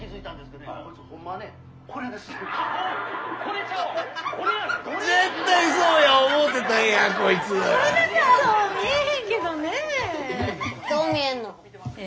どう見えんの？え？